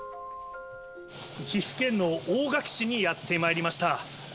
岐阜県の大垣市にやってまいりました。